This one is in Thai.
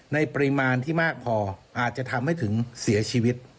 ในปริมาณที่มากพออาจจะทำให้ถึงเสียชีวิต